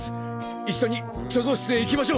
一緒に貯蔵室へ行きましょう！